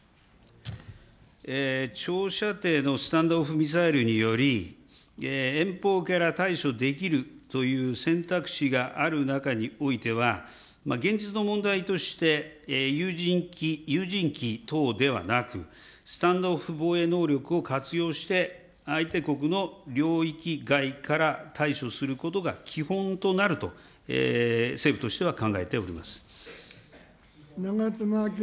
長射程のスタンド・オフ・ミサイルにより、遠方から対処できるという選択肢がある中においては、現実の問題として、有人機等ではなく、スタンド・オフ防衛能力を活用して、相手国の領域外から対処することが基本となると政府としては考え長妻昭君。